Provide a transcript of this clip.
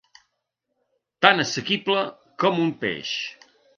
Tan assequible com un peix.